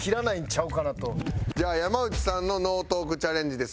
じゃあ山内さんのノートークチャレンジです。